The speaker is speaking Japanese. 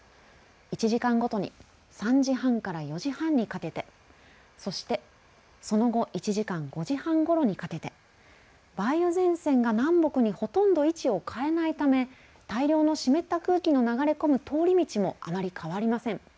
１時間ごとに３時半から４時半にかけて、そしてその後１時間５時半ごろにかけて梅雨前線が南北にほとんど位置を変えないため大量の湿った空気の流れ込む通り道もあまり変わりません。